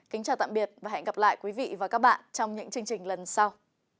kính chào tạm biệt và hẹn gặp lại quý vị và các bạn trong những chương trình lần sau